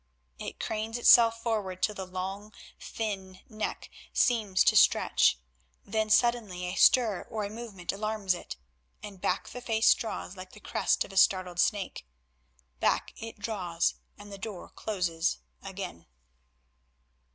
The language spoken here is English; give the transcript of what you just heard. It cranes itself forward till the long, thin neck seems to stretch; then suddenly a stir or a movement alarms it, and back the face draws like the crest of a startled snake. Back it draws, and the door closes again.